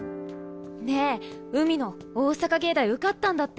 ねえ海野大阪芸大受かったんだって。